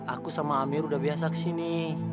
aku sama amir udah biasa kesini